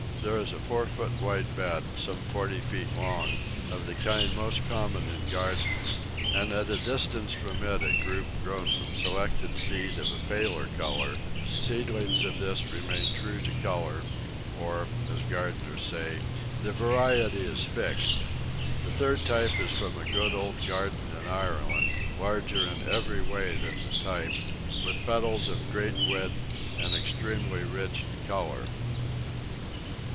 There is a four feet wide bed, some forty feet long, of the kind most common in gardens, and at a distance from it a group grown from selected seed of a paler colour; seedlings of this remain true to colour, or, as gardeners say, the variety is "fixed." The third sort is from a good old garden in Ireland, larger in every way than the type, with petals of great width, and extremely rich in colour.